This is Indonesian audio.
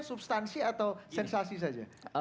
substansi atau sensasi saja